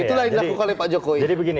itulah yang dilakukan oleh pak jokowi